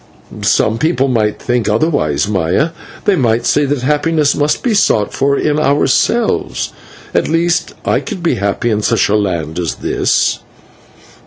"Some people might think otherwise, Maya. They might say that happiness must be sought for in ourselves. At least I could be happy in such a land as this."